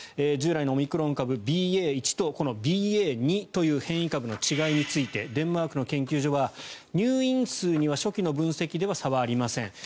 従来のオミクロン株ＢＡ．１とこのＢＡ．２という変異株の違いについてデンマークの研究所は入院数には差はありません。